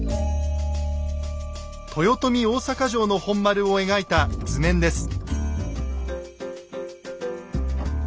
豊臣大坂城の本丸を描いた図面です。